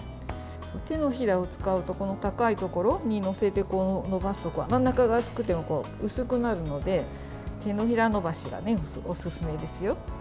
手のひらを使うと高いところに載せて延ばすと真ん中が厚くても薄くなるので手のひら延ばしがおすすめですよ。